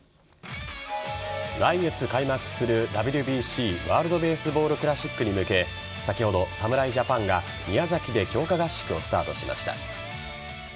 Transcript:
来月開幕するＷＢＣ＝ワールド・ベースボール・クラシックに向け先ほど、侍ジャパンが宮崎で強化合宿をスタートしました。